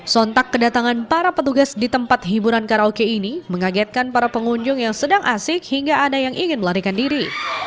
sontak kedatangan para petugas di tempat hiburan karaoke ini mengagetkan para pengunjung yang sedang asik hingga ada yang ingin melarikan diri